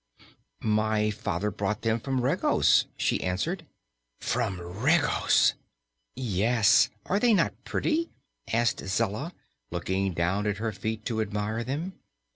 "My father brought them to me from Regos," she answered. "From Regos!" "Yes. Are they not pretty?" asked Zella, looking down at her feet to admire them.